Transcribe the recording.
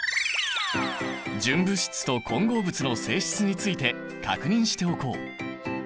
純物質と混合物の性質について確認しておこう。